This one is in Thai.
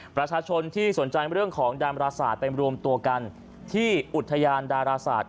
ประชาชนที่สนใจเรื่องของดามราศาสตร์ไปรวมตัวกันที่อุทยานดาราศาสตร์